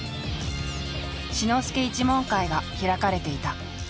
志の輔一門会が開かれていた。